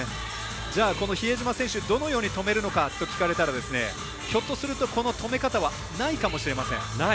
じゃあ、この比江島選手どのように止めるのかと聞かれたらひょっとすると止め方はないかもしれません。